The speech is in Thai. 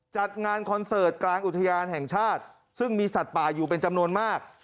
จัดงานคอนเสิร์ตกลางอุทยานแห่งชาติซึ่งมีสัตว์ป่าอยู่เป็นจำนวนมาก